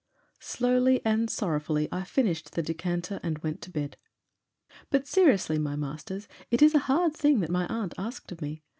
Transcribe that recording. Slowly and sorrowfully I finished the decanter — ^and went to bed. But seriously, my masters, it is a hard thing that my aunt asked of me.